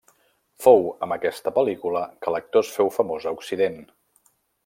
Fou amb aquesta pel·lícula que l'actor es féu famós a Occident.